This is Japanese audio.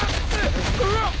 うわっ！